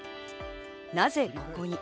なぜここに？